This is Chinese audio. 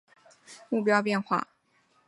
玩家的重生位置取决于玩家的目标变化。